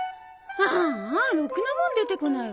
ああろくなもん出てこないわね。